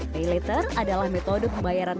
pay later adalah metode pembayaran